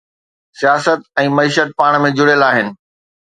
سياست ۽ معيشت پاڻ ۾ جڙيل آهن.